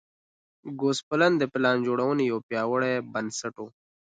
ګوسپلن د پلان جوړونې یو پیاوړی بنسټ و